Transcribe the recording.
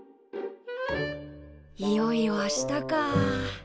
いよいよ明日か。